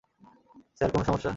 Sir, কোনো সমস্যা?